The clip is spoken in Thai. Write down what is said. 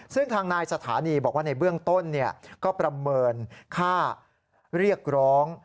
ซึ่งทางนายสถานีบอกว่าในเบื้องต้นก็ประเมินค่าเรียกร้อง